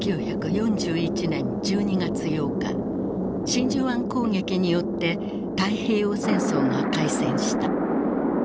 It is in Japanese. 真珠湾攻撃によって太平洋戦争が開戦した。